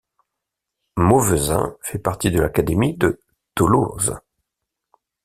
Mauvezin fait partie de l'académie de Toulouse.